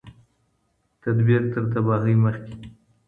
تدبیر تر تباهۍ مخکي